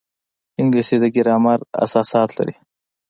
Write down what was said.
انګلیسي د ګرامر اساسات لري